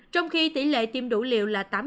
trong khi tỷ lệ tiêm đủ liệu là tám mươi một